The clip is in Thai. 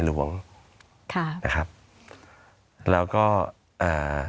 สวัสดีครับทุกคน